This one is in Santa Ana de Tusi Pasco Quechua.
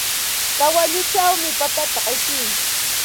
Kawalluchawmi papata qipii.